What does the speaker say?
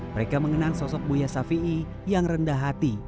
mereka mengenal sosok buya safi'i yang rendah hati